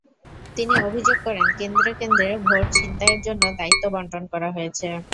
তিনি অভিযোগ করেন, কেন্দ্রে কেন্দ্রে ভোট ছিনতাইয়ের জন্য দায়িত্ব বণ্টন করা হয়েছে।